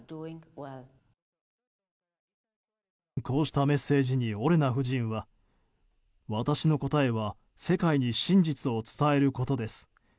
こうしたメッセージにオレナ夫人は私の答えは世界に真実を伝えることです。